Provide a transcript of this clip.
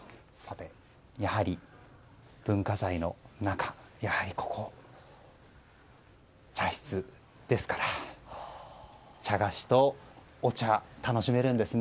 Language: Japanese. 文化財の中やはりここ茶室ですから茶菓子とお茶を楽しめるんですね。